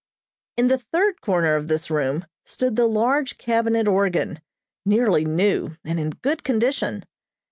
In the third corner of this room stood the large cabinet organ, nearly new, and in good condition.